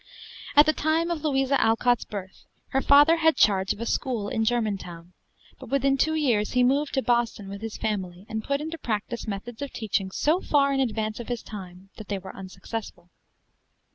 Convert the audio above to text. At the time of Louisa Alcott's birth her father had charge of a school in Germantown; but within two years he moved to Boston with his family, and put into practice methods of teaching so far in advance of his time that they were unsuccessful.